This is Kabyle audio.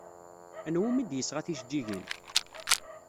Anwa umi d-yesɣa tijeǧǧigin?